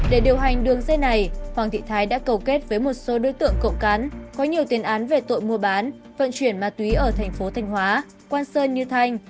để điều hành đường dây này hoàng thị thái đã cầu kết với một số đối tượng cộng cán có nhiều tiền án về tội mua bán vận chuyển ma túy ở thành phố thanh hóa quan sơn như thanh